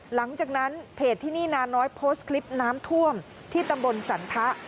หลังจากนั้นเพจที่นี่นาน้อยโพสต์คลิปน้ำท่วมที่ตำบลสันทะ